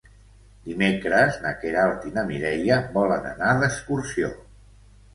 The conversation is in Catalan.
Dimecres na Queralt i na Mireia volen anar d'excursió.